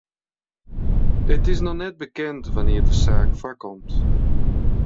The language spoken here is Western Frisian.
It is noch net bekend wannear't de saak foarkomt.